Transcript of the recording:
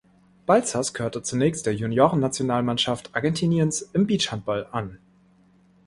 Balsas gehörte zunächst der Juniorennationalmannschaft Argentiniens im Beachhandball an.